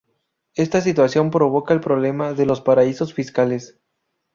Esta situación provoca el problema de los paraísos fiscales.